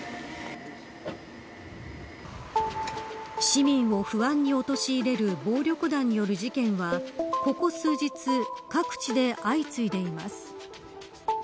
市民を不安に陥れる暴力団による事件はここ数日各地で相次いでいます。